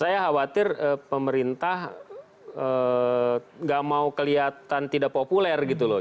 saya khawatir pemerintah nggak mau kelihatan tidak populer gitu loh